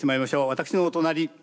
私のお隣。